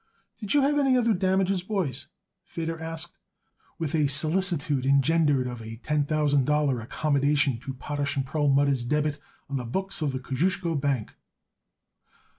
"Did you have any other damages, boys?" Feder asked, with a solicitude engendered of a ten thousand dollar accommodation to Potash & Perlmutter's debit on the books of the Kosciusko Bank.